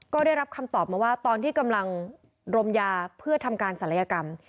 ก็ได้รับคำตอบมาว่าตอนที่กำลังรมยาเพื่อทำการศัลยกรรม